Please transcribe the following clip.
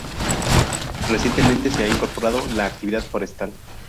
Recientemente se ha incorporado la actividad forestal.